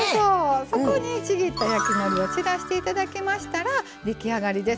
そこにちぎった焼きのりを散らして頂けましたら出来上がりです。